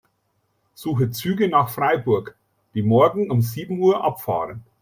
Suche Züge nach Freiburg, die morgen um sieben Uhr abfahren.